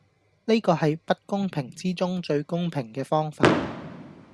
呢個係不公平之中最公平既方法